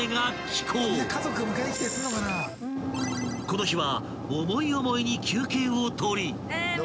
［この日は思い思いに休憩を取り］